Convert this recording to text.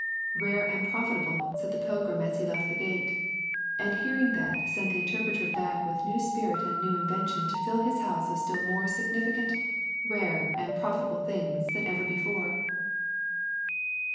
'Rare and profitable,' said the pilgrim as he left the gate; and hearing that sent the Interpreter back with new spirit and new invention to fill his house of still more significant, rare, and profitable things than ever before.